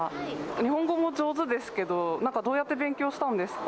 日本語も上手ですけど、なんか、どうやって勉強したんですか？